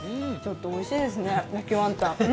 おいしいですね、焼きワンタン。